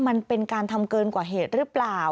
มันเป็นการทำเกินกว่าเหตุหรือเปล่า